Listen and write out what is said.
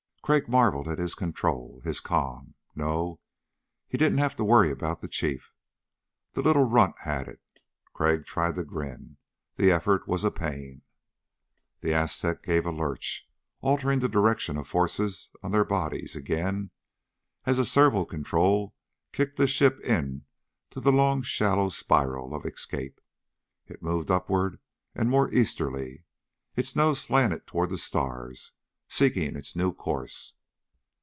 Crag marveled at his control ... his calm. No, he didn't have to worry about the Chief. The little runt had it. Crag tried to grin. The effort was a pain. The Aztec gave a lurch, altering the direction of forces on their bodies again as a servo control kicked the ship into the long shallow spiral of escape. It moved upward and more easterly, its nose slanted toward the stars, seeking its new course.